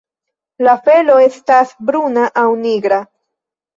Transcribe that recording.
La felo estas bruna aŭ nigra.